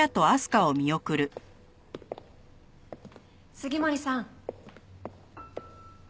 杉森さん。